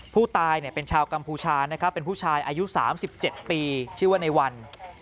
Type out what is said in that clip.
ผู้ตายเป็นชาวกัมพูชานะครับเป็นผู้ชายอายุ๓๗ปีชื่อว่าในวัน